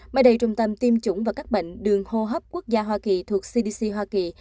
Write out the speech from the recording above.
mới đây trung tâm tiêm chủng và các bệnh đường hô hấp quốc gia hoa kỳ thuộc cdc hoa kỳ